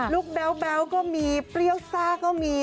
แบ๊วก็มีเปรี้ยวซ่าก็มี